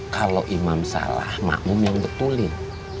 kalau imam salah makmum yang betulin